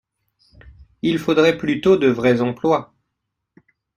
Il faudrait plutôt de vrais emplois